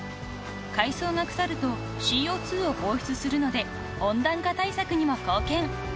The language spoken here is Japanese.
［海藻が腐るとＣＯ２を放出するので温暖化対策にも貢献］